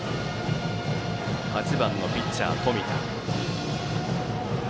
８番ピッチャー、冨田。